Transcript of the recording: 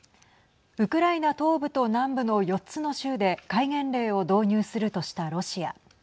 ウクライナ東部と南部の４つの州で戒厳令を導入するとしたロシア。